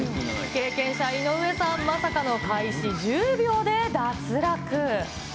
経験者、井上さん、まさかの開始１０秒で脱落。